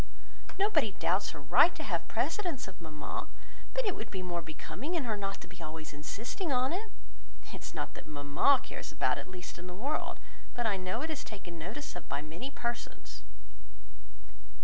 Nobody doubts her right to have precedence of mamma, but it would be more becoming in her not to be always insisting on it. It is not that mamma cares about it the least in the world, but I know it is taken notice of by many persons."